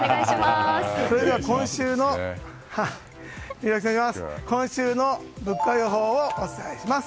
では今週の物価予報をお伝えします。